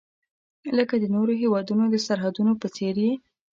لکه د نورو هیوادونو د سرحدونو په څیر یې.